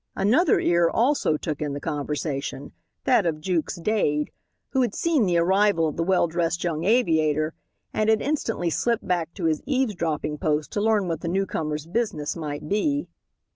Another ear also took in the conversation that of Jukes Dade who had seen the arrival of the well dressed young aviator, and had instantly slipped back to his eavesdropping post to learn what the newcomer's business might be.